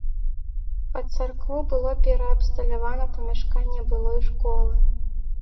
Пад царкву было пераабсталявана памяшканне былой школы.